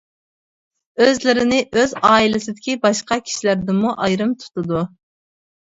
ئۆزلىرىنى ئۆز ئائىلىسىدىكى باشقا كىشىلەردىنمۇ ئايرىم تۇتىدۇ.